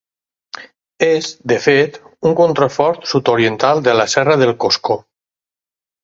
És, de fet, un contrafort sud-oriental de la Serra del Coscó.